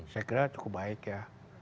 saya kira cukup baik ya